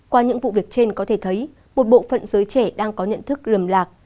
qua những vụ việc trên có thể thấy một bộ phận giới trẻ đang có nhận thức lầm lạc